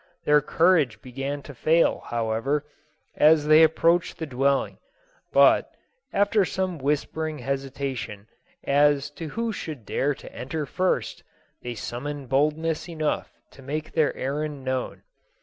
Their courage be gan to fail, however, as they approached the dwelling ; but, after some whispering hesitation as to who should dare to enter first, they summoned boldness enough to make their errand known.